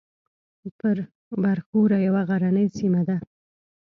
برښور یوه غرنۍ سیمه ده